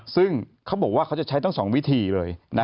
ซึ่งเขาบอกว่าเขาจะใช้ทั้ง๒วิธีเลย